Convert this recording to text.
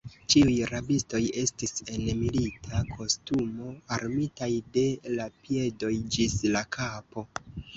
Ĉiuj rabistoj estis en milita kostumo, armitaj de la piedoj ĝis la kapo.